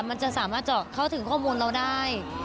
มันจะสามารถเจาะเข้าถึงข้อมูลเราได้